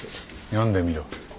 読んでみろ。